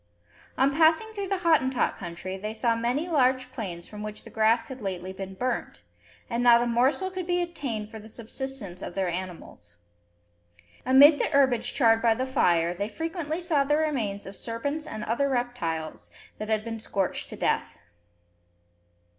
On passing through the Hottentot country, they saw many large plains from which the grass had lately been burnt; and not a morsel could be obtained for the subsistence of their animals. Amid the herbage charred by the fire, they frequently saw the remains of serpents and other reptiles, that had been scorched to death.